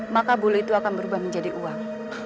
maka bulu itu akan berubah menjadi uang